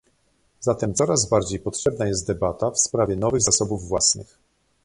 Zatem coraz bardziej potrzebna jest debata w sprawie nowych zasobów własnych